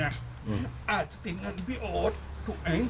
อาจจะติดเงินพี่โอ๊ตถูกไหม